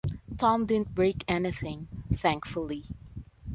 Tom didn't break anything, thankfully.